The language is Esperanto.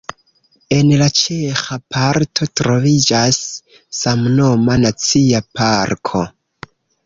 En la ĉeĥa parto troviĝas samnoma nacia parko.